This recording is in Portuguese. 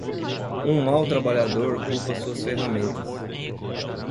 Um mau trabalhador culpa suas ferramentas.